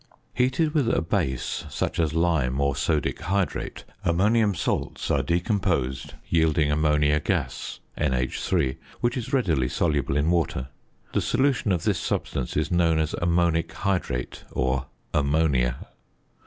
Heated with a base, such as lime or sodic hydrate, ammonium salts are decomposed, yielding ammonia gas (NH_), which is readily soluble in water. The solution of this substance is known as ammonic hydrate or "ammonia."